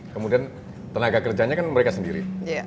kemudian tenaga kerjanya kan mereka sendiri